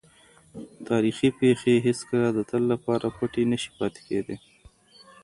تاریخي پېښې هېڅکله د تل لپاره پټې نه سي پاتې کېدای.